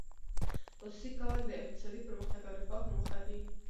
خصوصي کول د اقتصادي پرمختګ او رفاه په موخه دي.